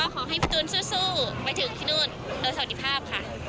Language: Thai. ขอให้พี่ตูนสู้ไปถึงที่นู่นโดยสวัสดีภาพค่ะ